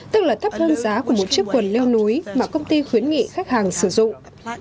tức là thấp hơn giá của một chiếc quần leo núi mà công ty khuyến nghị khách hàng sử dụng